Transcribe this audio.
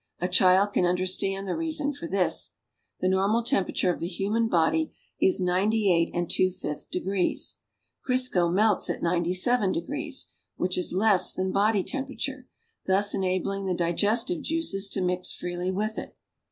A child can understand the reason for this. The normal teuiperature of the human body is 98 ^5 degrees. Crisco melts at 07 degrees, which is less than body lemjjcrature, thus enabling the digestive juices to mix freely with it.